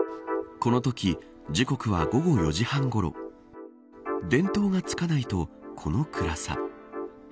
この時、時刻は午後４時半ごろ電灯がつかないとこの暗さ。